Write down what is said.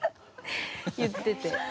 言ってて。